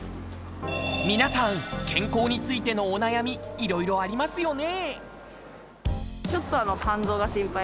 皆さん健康についてのお悩みいろいろありますよね